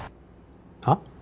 はっ？